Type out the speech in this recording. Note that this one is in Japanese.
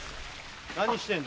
何してんの？